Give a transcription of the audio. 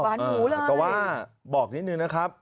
หูเลยแต่ว่าบอกนิดนึงนะครับ